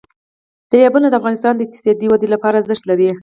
دریابونه د افغانستان د اقتصادي ودې لپاره ارزښت لري.